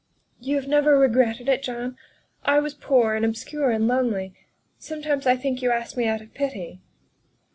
'' You have never regretted it, John ? I was poor and obscure and lonely. Sometimes I think you asked me out of pity."